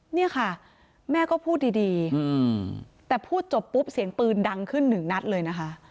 เนี่ยค่ะแม่ก็พูดดีแต่พูดจบปุ๊บเสียงปืนดังขึ้นหนึ่งนัดเลยนะคะ